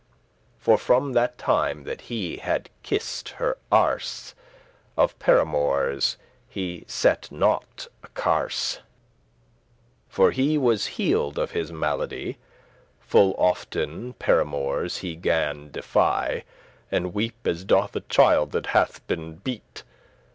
* *quenched For from that time that he had kiss'd her erse, Of paramours he *sette not a kers,* *cared not a rush* For he was healed of his malady; Full often paramours he gan defy, And weep as doth a child that hath been beat.